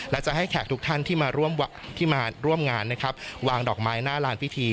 และจะให้แขกทุกท่านที่มาร่วมที่มาร่วมงานนะครับวางดอกไม้หน้าลานพิธี